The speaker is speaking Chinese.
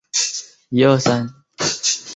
川陕苏区设。